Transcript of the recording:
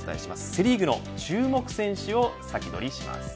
セ・リーグの注目選手を先取りします。